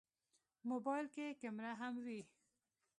موبایل کې کیمره هم وي.